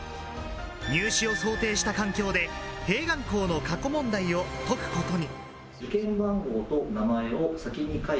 入試を想定した環境で併願校の過去問題を解くことに。